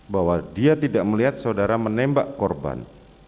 bahwa dia tidak melihat saudara menembak korban